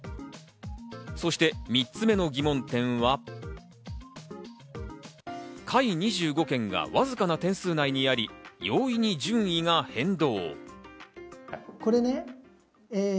そして３つ目の疑問点は、下位２５県がわずかな点数内にあり、容易に順位が変動。